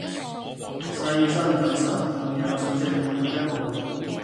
細心感受朋友笑聲背後的無奈